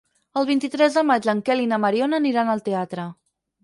El vint-i-tres de maig en Quel i na Mariona aniran al teatre.